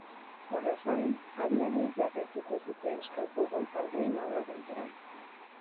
Horrez gain, adi-adi jarraituko dute euskal futbol taldeen aurre denboraldia.